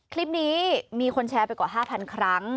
คลิปนี้มีคนแชร์ไปกว่า๕๐๐๐ครั้ง